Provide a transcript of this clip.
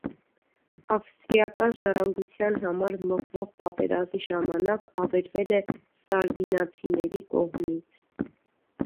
Ավստրիական ժառանգության համար մղվող պատերազմի ժամանակ ավերվել է սարդինացիների կողմից։